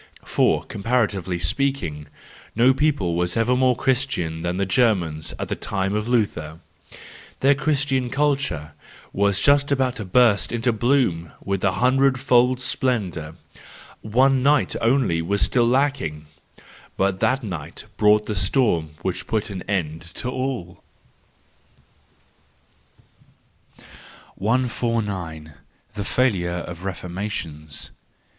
For, comparatively speaking, no people was ever more Christian than the Germans at the time of Luther; their Christian culture was just about to burst into bloom with a hundred fold splendour,—one night only was still lacking; but that night brought the storm which put an end to all. 149. The Failure of Reformations